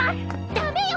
ダメよ！